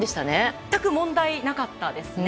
全く問題なかったですね。